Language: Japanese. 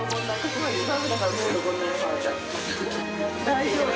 大丈夫。